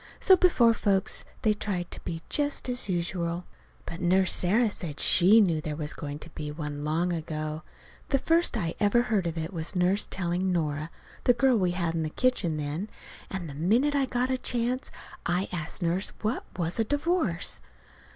So before folks they tried to be just as usual. But Nurse Sarah said she knew there was going to be one long ago. The first I ever heard of it was Nurse telling Nora, the girl we had in the kitchen then; and the minute I got a chance I asked Nurse what it was a divorce.